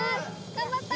頑張った！